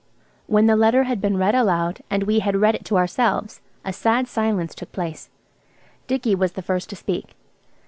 When the letter had been read aloud, and we had read it to ourselves, a sad silence took place. Dicky was the first to speak.